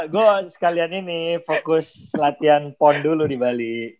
gus sekalian ini fokus latihan pon dulu di bali